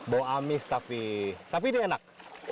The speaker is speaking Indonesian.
bau amis tapi tapi ini enak